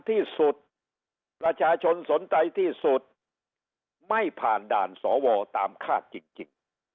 ที่สุดประชาชนสนใจที่สุดไม่ผ่านด่านสวตามคาดจริง